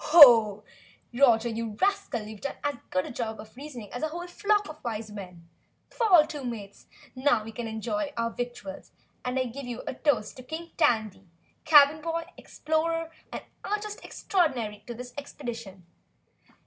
"Roger, you rascal, you've done as good a job of reasoning as a whole flock of Wise Men! Fall to, Mates, now we can enjoy our victuals and I give you a toast to King Tandy, Cabin Boy, Explorer and Artist Extraordinary to this Expedition!"